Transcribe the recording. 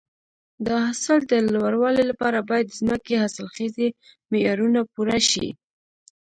د حاصل د لوړوالي لپاره باید د ځمکې حاصلخیزي معیارونه پوره شي.